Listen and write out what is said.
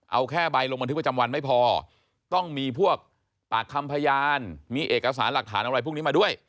เอาแค่ใบลงบันทึกประจำวันไม่พอต้องมีพวกปากคำพยานมีเอกสารหลักฐานอะไรพวกนี้มาด้วย